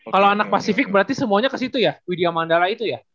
kalo anak pasifik berarti semuanya kesitu ya widya mandala itu ya